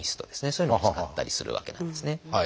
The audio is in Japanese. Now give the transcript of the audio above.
そういうのを使ったりするわけなんですね。